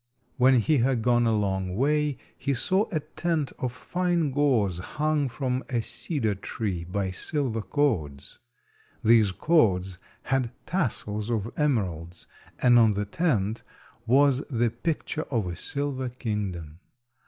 When he had gone a long way he saw a tent of fine gauze hung from a cedar tree by silver cords. These cords had tassels of emeralds, and on the tent was the picture of a silver kingdom.